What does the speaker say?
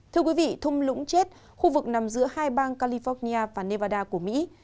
thưa quý vị thung lũng chết khu vực nằm giữa hai bang california và nevada của mỹ